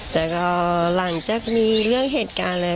แต่ก็หลังจากมีเรื่องเหตุการณ์แล้ว